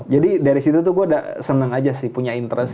dari situ tuh gue udah seneng aja sih punya interest